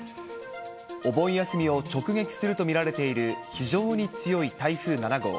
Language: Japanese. お盆休みを直撃すると見られている非常に強い台風７号。